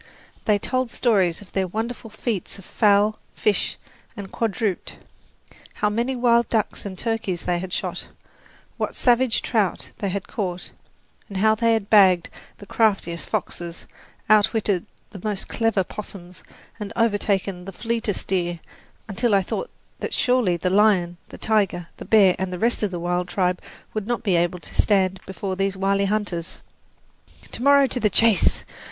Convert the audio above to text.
They told stories of their wonderful feats with fowl, fish and quadruped how many wild ducks and turkeys they had shot, what "savage trout" they had caught, and how they had bagged the craftiest foxes, outwitted the most clever 'possums and overtaken the fleetest deer, until I thought that surely the lion, the tiger, the bear and the rest of the wild tribe would not be able to stand before these wily hunters. "To morrow to the chase!"